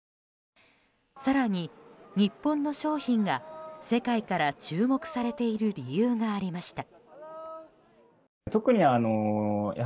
更に、日本の商品が世界から注目されている理由がありました。